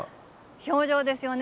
表情ですよね。